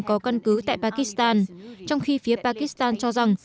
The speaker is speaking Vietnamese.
có căn cứ tại pakistan trong khi phía pakistan cho rằng